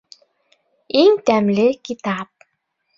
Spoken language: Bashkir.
ИҢ ТӘМЛЕ КИТАП!